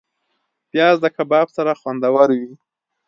پیاز د کباب سره خوندور وي